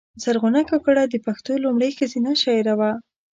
زرغونه کاکړه د پښتو لومړۍ ښځینه شاعره وه